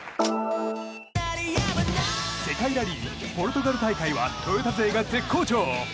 世界ラリー・ポルトガル大会はトヨタ勢が絶好調。